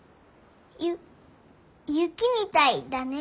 ゆ雪みたいだね。